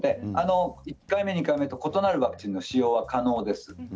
１回目２回目と異なるワクチンの使用は可能です。